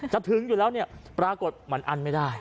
จะถึงอยู่แล้วปรากฏมันอันไม่ได้